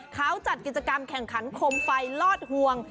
เขาจัดกิจกรรมแข่งขันคมไฟลอดห่วง